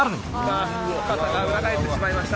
今傘が裏返ってしまいました。